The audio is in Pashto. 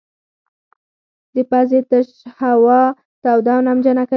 د پزې تشه هوا توده او نمجنه کوي.